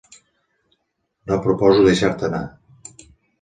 No proposo deixar-te anar.